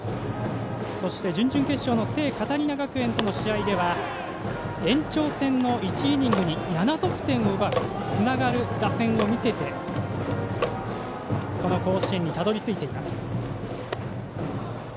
そして、準々決勝の聖カタリナ学園との試合では延長戦の１イニングに７得点を奪うつながる打線を見せてこの甲子園にたどりついています。